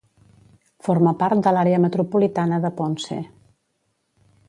Forma part de l'Àrea metropolitana de Ponce.